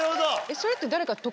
それって。